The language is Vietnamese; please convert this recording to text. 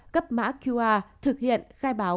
cấp mã qr thực hiện khai báo